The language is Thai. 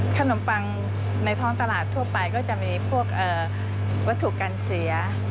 ขนมปังในท้องตลาดทั่วไปก็จะมีพวกวัตถุการเสีย